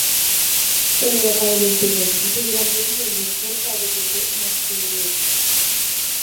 En Europa del Este y Rusia se seguirán vendiendo exportados desde Martorell.